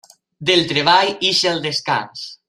Del treball ix el descans.